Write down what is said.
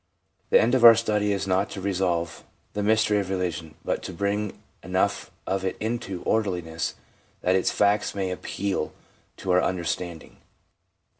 The end of our study is not to resolve the mystery of religion, but to bring enough of it into orderliness that its facts may appeal to our under standing.